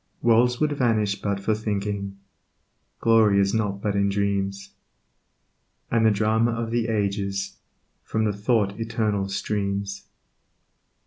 Worlds would vanish but for thinking; Glory is not but in dreams; And the Drama of the ages From the Thought Eternal streams.